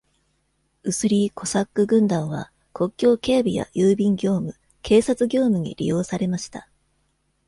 ウスリー・コサック・軍団は、国境警備や郵便業務、警察業務に利用されました。